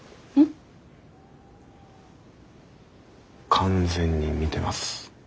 完全に見てます。